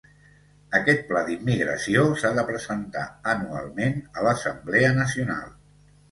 Aquest pla d'immigració s'ha de presentar anualment a l'Assemblea Nacional.